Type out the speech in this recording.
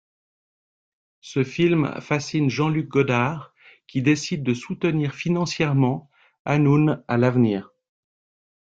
Ce film fascine Jean-Luc Godard, qui décide de soutenir financièrement Hanoun à l'avenir.